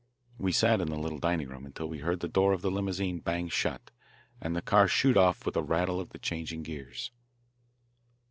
We sat in the little dining room until we heard the door of the limousine bang shut and the car shoot off with the rattle of the changing gears.